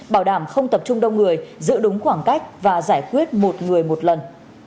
bảo đảm không tập trung đông người giữ đúng khoảng cách và giải quyết một người một lần